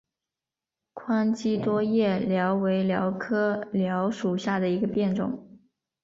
宽基多叶蓼为蓼科蓼属下的一个变种。